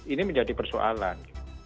ini menjadi persoalan